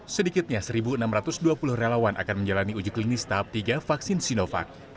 sedikitnya satu enam ratus dua puluh relawan akan menjalani uji klinis tahap tiga vaksin sinovac